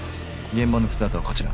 現場の靴跡はこちら。